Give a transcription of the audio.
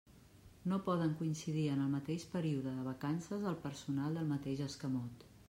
No poden coincidir en el mateix període de vacances el personal del mateix escamot.